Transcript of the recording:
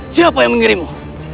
siapa yang mengirimu